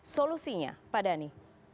solusinya pak dhani